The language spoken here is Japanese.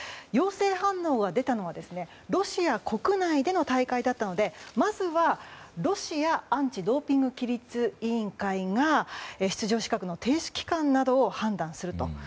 陽性反応が出たのはロシア国内での大会だったのでまずはロシアアンチ・ドーピング規律委員会が出場資格の停止期間などを判断すると。